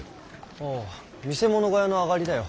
ああ見せ物小屋のあがりだよ。